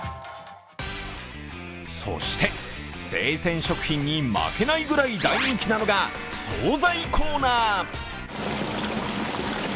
そして生鮮食品に負けないくらい大人気なのが、総菜コーナー。